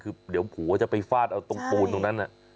คือเดี๋ยวผัวจะไปฟาดเอาตรงปูนตรงนั้น